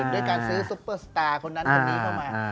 ด้วยการซื้อซุปเปอร์สตาร์คนนั้นคนนี้เข้ามา